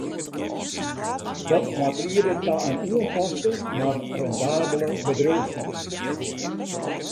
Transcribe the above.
Dat moat liede ta in oanpaste, mar rendabele bedriuwsfiering.